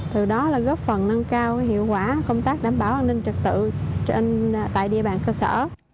từ đó là góp phần nâng cao hiệu quả công tác đảm bảo an ninh trật tự tại địa bàn cơ sở